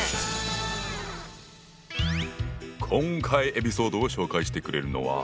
今回エピソードを紹介してくれるのは。